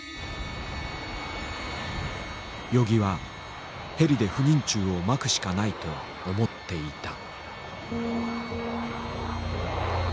与儀はヘリで不妊虫をまくしかないと思っていた。